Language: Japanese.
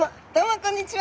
こんにちは！